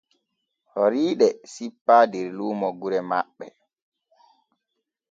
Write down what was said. Horiiɗe sippaa der luumo gure maɓɓe.